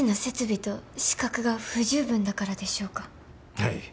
はい。